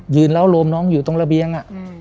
เล้าโรมน้องอยู่ตรงระเบียง